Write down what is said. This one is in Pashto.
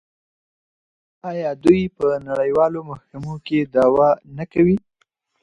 آیا دوی په نړیوالو محکمو کې دعوا نه کوي؟